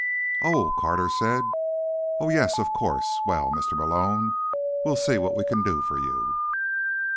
"Oh," Carter said. "Oh, yes. Of course. Well, Mr. Malone, we'll see what we can do for you."